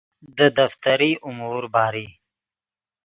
دے دفتری امور باری